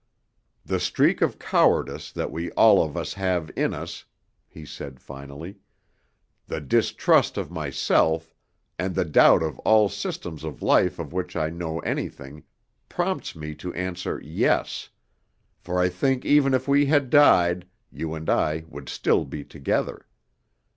"The streak of cowardice that we all of us have in us," he said finally, "the distrust of myself, and the doubt of all systems of life of which I know anything, prompts me to answer yes; for I think even if we had died, you and I would still be together.